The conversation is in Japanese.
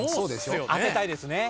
当てたいですね。